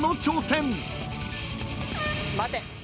待て。